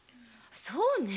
そうね。